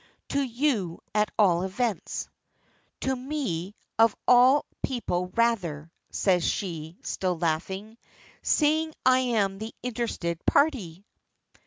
"To you at all events." "To me of all people rather," says she still laughing, "seeing I am the interested party."